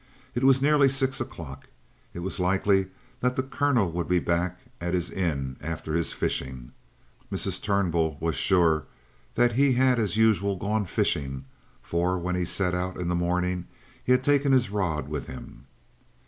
It was nearly six o'clock. It was likely that the Colonel would be back at his inn after his fishing. Mrs. Turnbull was sure that he had as usual gone fishing, for, when he set out in the morning, he had taken his rod with him.